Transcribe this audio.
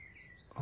あ！